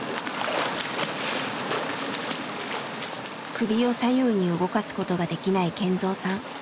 首を左右に動かすことができない健三さん。